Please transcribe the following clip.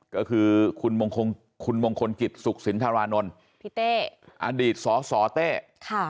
ก็คือคุณมงคลกิจสุขสินทรานนท์พี่เต้อดีตสสเต้ค่ะ